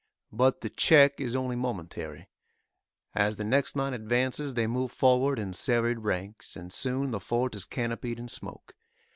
But the check is only momentary. As the next line advances they move forward in serried ranks, and soon the fort is canopied in smoke.